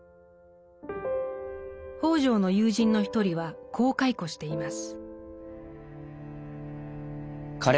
北條の友人の一人はこう回顧しています。